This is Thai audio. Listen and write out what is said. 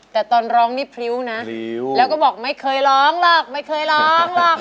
แต่ตอนร้องนี้พริ้วนะคะแล้วก็บอกไม่เคยร้องหรอก